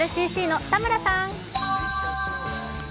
ＲＣＣの田村さん。